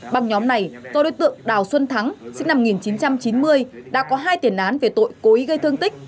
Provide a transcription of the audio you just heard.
băng nhóm này do đối tượng đào xuân thắng sinh năm một nghìn chín trăm chín mươi đã có hai tiền án về tội cố ý gây thương tích